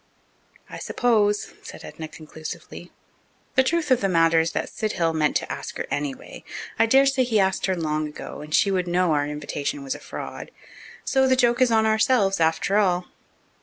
"I suppose," said Edna conclusively, "the truth of the matter is that Sid Hill meant to ask her anyway. I dare say he asked her long ago, and she would know our invitation was a fraud. So the joke is on ourselves, after all."